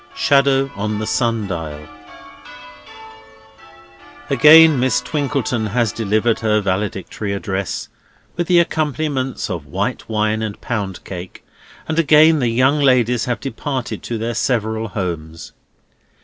SHADOW ON THE SUN DIAL Again Miss Twinkleton has delivered her valedictory address, with the accompaniments of white wine and pound cake, and again the young ladies have departed to their several homes.